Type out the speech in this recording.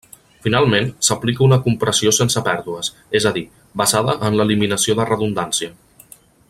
Finalment, s'aplica una compressió sense pèrdues, és a dir, basada en l'eliminació de redundància.